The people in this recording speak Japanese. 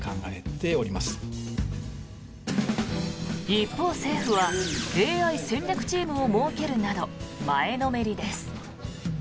一方、政府はＡＩ戦略チームを設けるなど前のめりです。